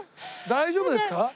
大丈夫です。